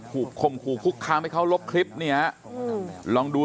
คุณกัลจอมพลังบอกจะมาให้ลบคลิปได้อย่างไร